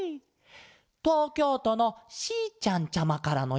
とうきょうとのしーちゃんちゃまからのしつもんだケロ。